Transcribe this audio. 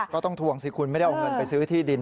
ทวงสิคุณไม่ได้เอาเงินไปซื้อที่ดิน